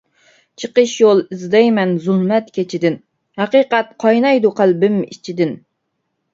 چىقىش يول ئىزدەيمەن زۇلمەت كېچىدىن، ھەقىقەت قاينايدۇ قەلبىم ئىچىدىن.